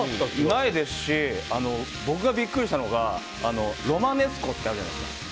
ないですし僕がビックリしたのがロマネスコってあるじゃないですか。